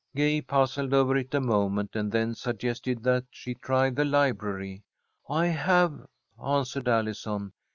Gay puzzled over it a moment, and then suggested that she try the library. "I have," answered Allison.